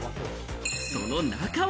その中は。